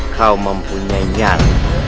kau mempunyai nyat